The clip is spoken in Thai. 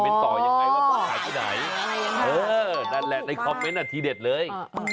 เออนั่นแหละในคอมเม้นต์อ่ะทีเด็ดเลย